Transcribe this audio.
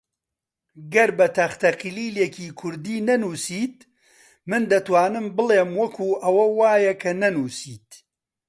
گەر بە تەختەکلیلی کوردی نەنووسیت، من دەتوانم بڵێم وەکو ئەوە وایە کە نەنووسیت